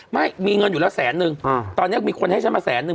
ไม่มีเงินอยู่แล้วแสนนึงตอนนี้มีคนให้ฉันมาแสนนึง